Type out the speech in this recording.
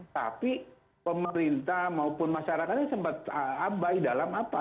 tapi pemerintah maupun masyarakatnya sempat abai dalam apa